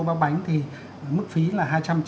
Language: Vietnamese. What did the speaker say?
và bánh thì mức phí là